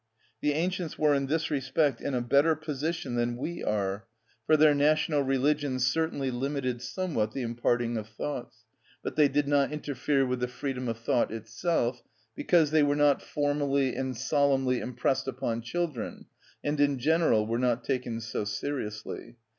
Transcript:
The ancients were in this respect in a better position than we are, for their national religions certainly limited somewhat the imparting of thoughts; but they did not interfere with the freedom of thought itself, because they were not formally and solemnly impressed upon children, and in general were not taken so seriously.